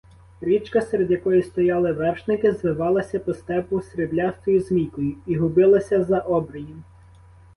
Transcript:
Річка, серед якої стояли вершники, звивалася по степу сріблястою змійкою і губилася за обрієм.